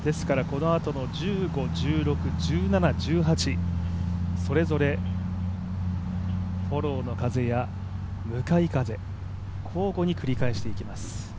このあとの１５から１８、それぞれフォローの風や向かい風、交互に繰り返していきます。